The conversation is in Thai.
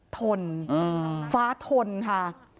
ทนฟ้าทนค่ะ